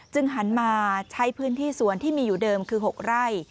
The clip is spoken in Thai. หันมาใช้พื้นที่สวนที่มีอยู่เดิมคือ๖ไร่